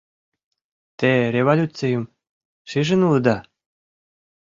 — Те революцийым шижын улыда?